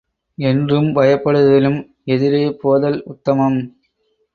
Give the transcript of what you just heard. என்றும் பயப்படுவதிலும் எதிரே போதல் உத்தமம்.